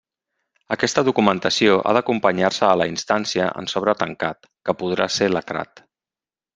Aquesta documentació ha d'acompanyar-se a la instància en sobre tancat, que podrà ser lacrat.